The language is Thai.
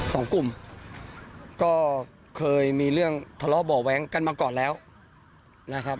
สองกลุ่มก็เคยมีเรื่องทะเลาะเบาะแว้งกันมาก่อนแล้วนะครับ